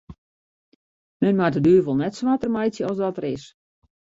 Men moat de duvel net swarter meitsje as dat er is.